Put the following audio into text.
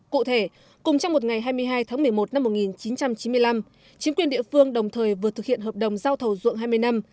cụ thể cùng trong một ngày hai mươi hai tháng một mươi một năm một nghìn chín trăm chín mươi năm chính quyền địa phương đồng thời vừa thực hiện hợp đồng giao thầu ruộng hai mươi năm